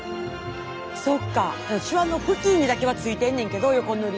そっかしわの付近にだけは付いてんねんけどヨコ塗り。